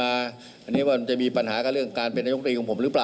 อันเนี่ยวันนี้รู้จะมีปัญหาข้างเรื่องการเป็นไตนกฎีของผมหรือเปล่า